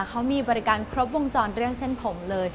เขามีบริการครบวงจรเรื่องเส้นผมเลย